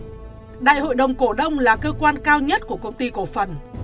pháp luật đại hội đồng cổ đông là cơ quan cao nhất của công ty cổ phần